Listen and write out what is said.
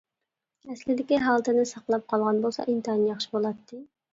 ئەسلىدىكى ھالىتىنى ساقلاپ قالغان بولسا ئىنتايىن ياخشى بۇلاتتى.